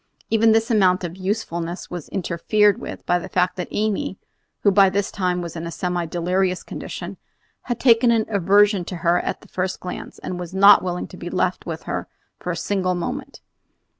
Even this amount of usefulness was interfered with by the fact that Amy, who by this time was in a semi delirious condition, had taken an aversion to her at the first glance, and was not willing to be left with her for a single moment.